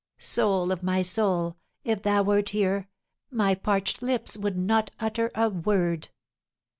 Soul of my Soul, if thou wert here, my parched lips would not utter a word.